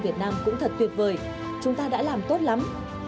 việt nam cũng thật tuyệt vời chúng ta đã làm tốt lắm